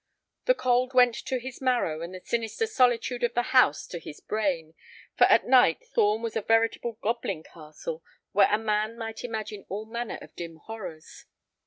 The cold went to his marrow and the sinister solitude of the house to his brain, for at night Thorn was a veritable goblin castle where a man might imagine all manner of dim horrors.